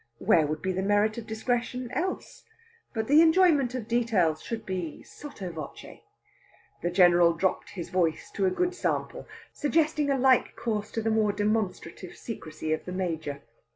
Where would be the merit of discretion else? But the enjoyment of details should be sotto voce. The General dropped his voice to a good sample, suggesting a like course to the more demonstrative secrecy of the Major.